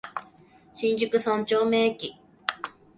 新宿三丁目駅